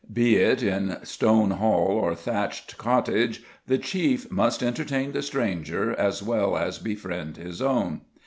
Be it in stone hall or thatched cottage, the chief must entertain the stranger as well as befriend his own!